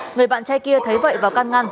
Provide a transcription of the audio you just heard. người bạn trai kia thấy vậy và căn ngăn